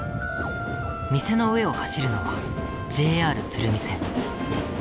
店の上を走るのはＪＲ鶴見線。